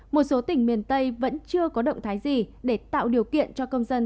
một số tỉnh miền tây vẫn chưa có động thái gì để tạo điều kiện cho công dân